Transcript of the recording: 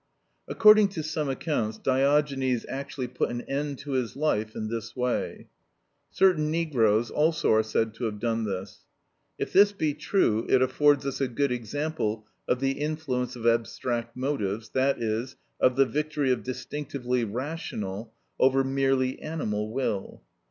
According to some accounts Diogenes actually put an end to his life in this way (Diog. Laert. VI. 76). Certain negroes also are said to have done this (F. B. Osiander "On Suicide" pp. 170 180). If this be true, it affords us a good example of the influence of abstract motives, i.e., of the victory of distinctively rational over merely animal will.